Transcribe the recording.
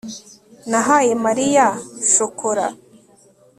nahaye mariya shokora